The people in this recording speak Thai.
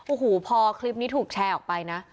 โอ้โหพอคลิปนี้ถูกแชร์ออกไปนะ